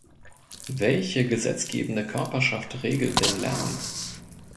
Welche gesetzgebende Körperschaft regelt den Lärm?